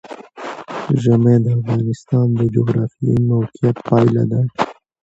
ژمی د افغانستان د جغرافیایي موقیعت پایله ده.